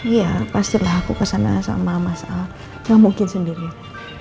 iya pastilah aku kesana sama mas al gak mungkin sendirian